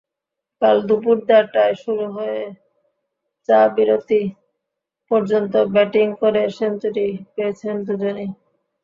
কাল দুপুর দেড়টায় শুরু হয়ে চা-বিরতি পর্যন্ত ব্যাটিং করে সেঞ্চুরি পেয়েছেন দুজনই।